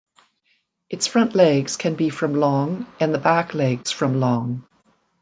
Its front legs can be from long and the back legs from long.